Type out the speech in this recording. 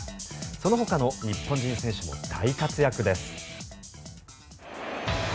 そのほかの日本人選手も大活躍です。